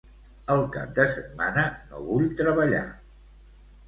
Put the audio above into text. El cap de setmana no vull treballar.